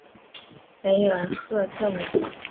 梅尔赫特姆。